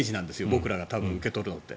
僕らが受け取るのって。